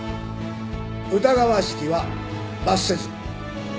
疑わしきは罰せず。